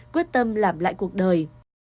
quyết tâm làm lại cuộc đời